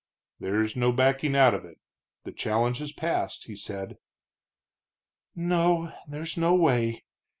"There's no backing out of it. The challenge has passed," he said. "No, there's no way.